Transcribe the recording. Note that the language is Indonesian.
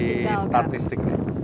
kita lihat dari statistiknya